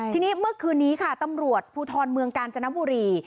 ทีนี้เมื่อคืนนี้ค่ะตำรวจภูทรเมืองกาญจนบุรี